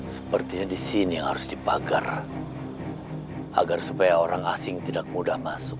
sepertinya di sini harus dipagar agar supaya orang asing tidak mudah masuk